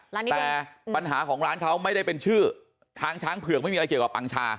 แต่ปัญหาของร้านเขาไม่ได้เป็นชื่อทางช้างเผือกไม่มีอะไรเกี่ยวกับปังชา